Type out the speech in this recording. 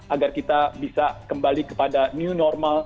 agar kita bisa kembali kepada new normal